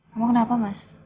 kamu kenapa mas